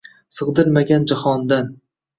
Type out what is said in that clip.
Sig’dirmagan jahondan